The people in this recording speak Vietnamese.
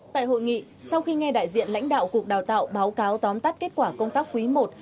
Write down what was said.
tại hội nghị sau khi nghe đại diện lãnh đạo cục đào tạo báo cáo tóm tắt kết quả công tác quý i